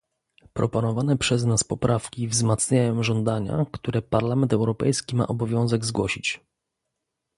Proponowane przez nas poprawki wzmacniają żądania, które Parlament Europejski ma obowiązek zgłosić